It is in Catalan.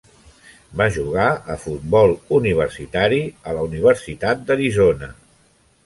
Va jugar a futbol universitari a la Universitat d'Arizona.